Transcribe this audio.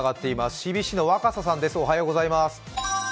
ＣＢＣの若狭さんです。